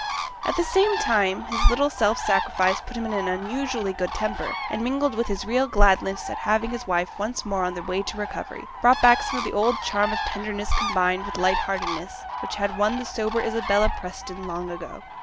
At the same time, his little self sacrifice put him in an unusually good temper; and, mingled with his real gladness at having his wife once more on the way to recovery, brought back some of the old charm of tenderness combined with light heartedness, which had won the sober Isabella Preston long ago.